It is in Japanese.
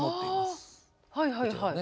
あはいはいはい。